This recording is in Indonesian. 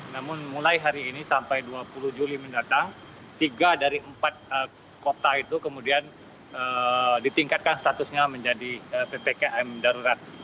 namun mulai hari ini sampai dua puluh juli mendatang tiga dari empat kota itu kemudian ditingkatkan statusnya menjadi ppkm darurat